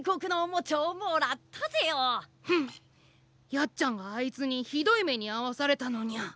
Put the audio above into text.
ヤッちゃんがあいつにひどいめにあわされたのニャ。